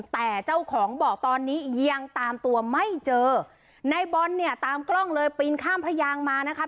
แต่เจ้าของบอกตอนนี้ยังตามตัวไม่เจอในบอลเนี่ยตามกล้องเลยปีนข้ามพยางมานะคะ